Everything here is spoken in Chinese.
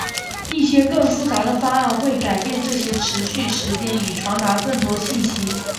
一些更复杂的方案会改变这些持续时间以传达更多信息。